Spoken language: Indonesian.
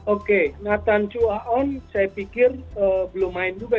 oke nathan choaon saya pikir belum main juga